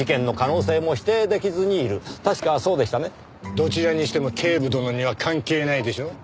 どちらにしても警部殿には関係ないでしょ。